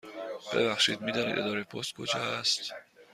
ببخشید، می دانید اداره پست کجا است؟